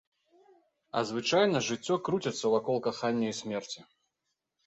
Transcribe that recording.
А звычайна жыццё круціцца вакол кахання і смерці.